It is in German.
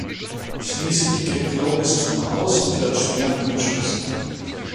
Schließlich geht Clovis zum Haus und wird schwer angeschossen.